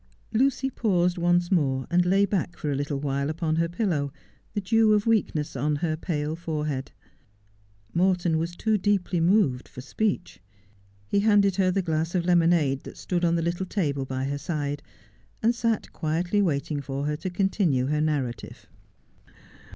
Lucy paused once more and lay back for a little while upon her pillow, the dew of weakness on her pale forehead. Morton was too deeply moved for speech. He handed her the glass of lemonade that stood on the little table by her side, and sat quietly waiting for her to continue her narrative.